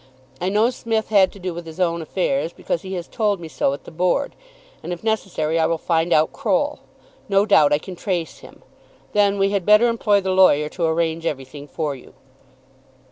I know Smith had to do with his own affairs, because he has told me so at the Board; and if necessary I will find out Croll. No doubt I can trace him. Then we had better employ the lawyer to arrange everything for you."